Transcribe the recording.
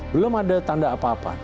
belum ada tanda apa apa